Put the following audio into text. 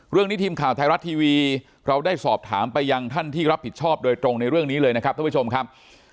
ทีมข่าวไทยรัฐทีวีเราได้สอบถามไปยังท่านที่รับผิดชอบโดยตรงในเรื่องนี้เลยนะครับท่านผู้ชมครับ